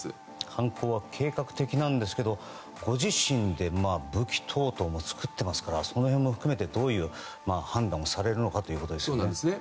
犯行は計画的なんですがご自身で武器等々も作っていますからその辺も含めてどういう判断をされるのかというところですね。